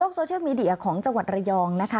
โซเชียลมีเดียของจังหวัดระยองนะคะ